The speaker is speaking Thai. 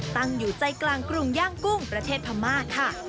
ตั้งอยู่ใจกลางกรุงย่างกุ้งประเทศพม่าค่ะ